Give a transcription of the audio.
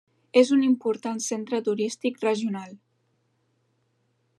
És un important centre turístic regional.